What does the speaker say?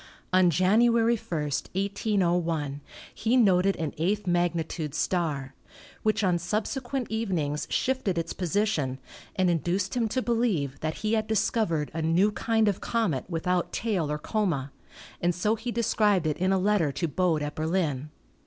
On January 1, 1801, he noted an eighth magnitude star, which on subse quent evenings shifted its position and induced him to be lieve that he had discovered a new kind of comet without tail or coma, and so he described it in a letter to Bode at Berlin.